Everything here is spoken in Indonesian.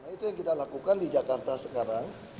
itu yang kita lakukan di jakarta sekarang